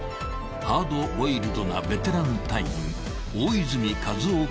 ハードボイルドなベテラン隊員］